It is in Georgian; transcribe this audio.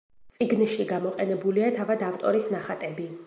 წიგნში გამოყენებულია თავად ავტორის ნახატები.